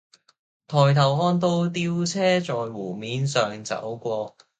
抬頭看到吊車在湖面上走過